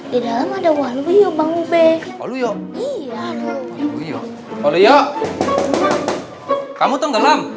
di dalam ada walu yuk bang ube walu yuk iya walu yuk walu yuk kamu tuh ngelam